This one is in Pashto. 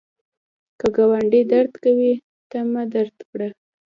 که ګاونډی درد کوي، تا مه درد کړه